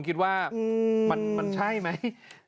คิดว่ามันใช่มั้ย